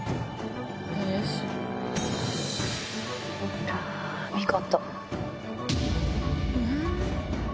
あら見事。